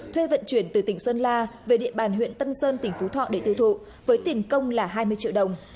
thuê vận chuyển từ tỉnh sơn la về địa bàn huyện tân sơn tỉnh phú thọ để tiêu thụ với tiền công là hai mươi triệu đồng